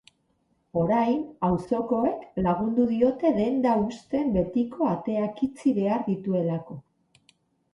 Orain auzokoek lagundu diote denda husten betiko ateak itxi behar dituelako.